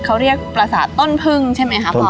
เขาเรียกประสาทต้นพึ่งใช่ไหมคะพ่อ